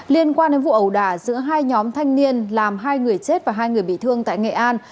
liên quan đến vụ ẩu đả giữa hai nhóm thanh niên làm hai người chết và hai người bị thương tại nghệ an